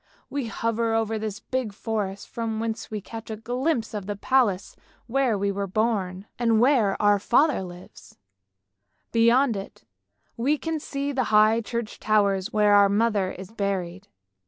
We hover over this big forest from whence we catch a glimpse of the palace where we were born, and where our father lives; beyond it we can see the high church towers where our mother is buried.